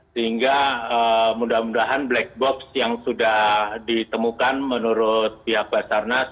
sehingga mudah mudahan black box yang sudah ditemukan menurut pihak basarnas